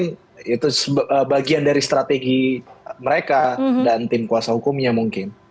mungkin itu bagian dari strategi mereka dan tim kuasa hukumnya mungkin